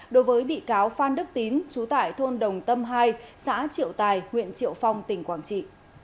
đối với bị cáo phan đức tín trú tại thôn đồng tâm hai xã triệu tài huyện triệu phong tỉnh quảng trị